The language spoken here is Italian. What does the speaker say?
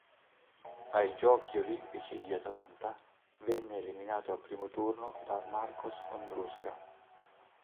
Ai Giochi olimpici di Atlanta venne eliminato al primo turno da Marcos Ondruska.